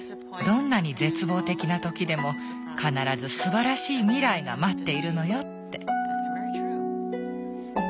どんなに絶望的な時でも必ずすばらしい未来が待っているのよって。